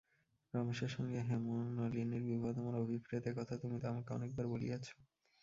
রমেশের সঙ্গে হেমনলিনীর বিবাহ তোমার অভিপ্রেত, এ কথা তুমি তো আমাকে অনেকবার বলিয়াছ।